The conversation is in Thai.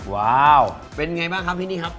ว้าวเป็นไงบ้างครับที่นี่ครับ